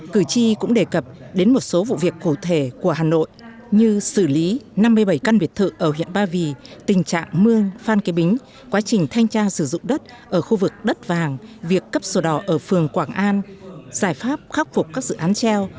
cử tri cũng đề cập đến một số vụ việc cụ thể của hà nội như xử lý năm mươi bảy căn biệt thự ở huyện ba vì tình trạng mưa phan kế bính quá trình thanh tra sử dụng đất ở khu vực đất vàng việc cấp sổ đỏ ở phường quảng an giải pháp khắc phục các dự án treo